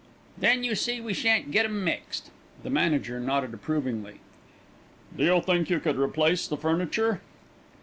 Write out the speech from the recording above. Then you see we shan't get 'em mixed." The manager nodded approvingly. "Do you think you could replace the furniture?"